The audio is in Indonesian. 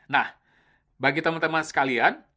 nah bagi teman teman sekalian